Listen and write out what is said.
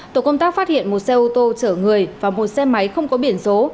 tổ công tác phát hiện một xe ô tô chở người và một xe máy không có biển số